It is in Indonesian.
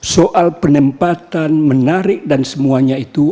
soal penempatan menarik dan semuanya itu